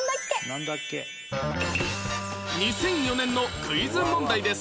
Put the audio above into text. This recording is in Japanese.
２００４年のクイズ問題です